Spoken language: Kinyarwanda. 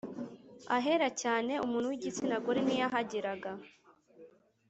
ahera cyane l Umuntu w igitsina gore ntiyahageraga